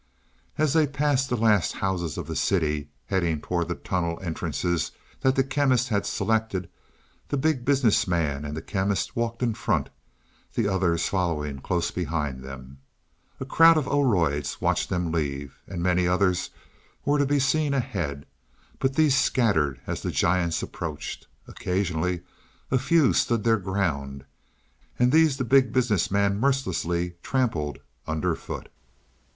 As they passed the last houses of the city, heading towards the tunnel entrances that the Chemist had selected, the Big Business Man and the Chemist walked in front, the others following close behind them. A crowd of Oroids watched them leave, and many others were to be seen ahead; but these scattered as the giants approached. Occasionally a few stood their ground, and these the Big Business Man mercilessly trampled under foot.